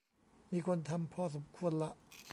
มีคนทำพอสมควรละ